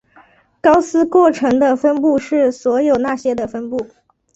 高斯过程的分布是所有那些的分布。